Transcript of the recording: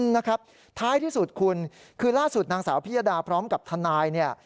นะครับท้ายที่สุดคุณคือล่าสุดนางสาวพิยดาพร้อมกับทนายเนี่ย